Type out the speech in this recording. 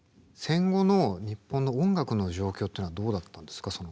戦後の日本の音楽の状況というのはどうだったんですか？